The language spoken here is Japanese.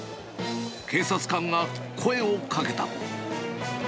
警察官が声をかけた。